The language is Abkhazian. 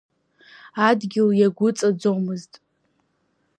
Адгьыл иагәыҵаӡомызт.